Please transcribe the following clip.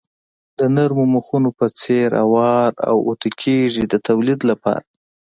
د نریو مخونو په څېر اوار او اتو کېږي د تولید لپاره.